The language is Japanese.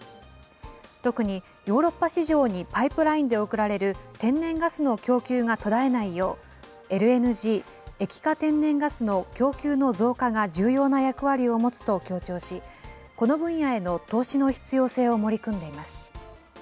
特にヨーロッパ市場にパイプラインで送られる天然ガスの供給が途絶えないよう、ＬＮＧ・液化天然ガスの供給の増加が重要な役割を持つと強調し、この分野への投資の必要性を盛り込んでいます。